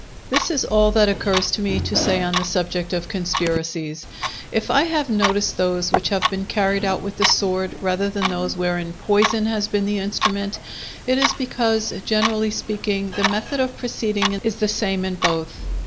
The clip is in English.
This is all that occurs to me to say on the subject of conspiracies. If I have noticed those which have been carried out with the sword rather than those wherein poison has been the instrument, it is because, generally speaking, the method of proceeding is the same in both.